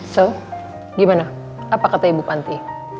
jadi gimana apa kata ibu panti